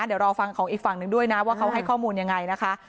เดี๋ยวรอฟังของอีกฝั่งหนึ่งด้วยนะว่าเขาให้ข้อมูลยังไงนะคะ